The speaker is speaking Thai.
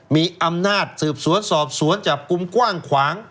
มีอำนาจสืบสวนสอบสวนจับกลุ่มกว้างขวาง